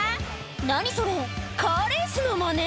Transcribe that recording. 何それカーレースのマネ？